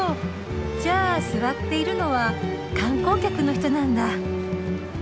じゃあ座っているのは観光客の人なんだ。